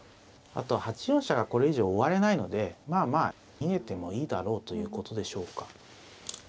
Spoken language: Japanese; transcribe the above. あと８四飛車がこれ以上追われないのでまあまあ逃げてもいいだろうということでしょうか。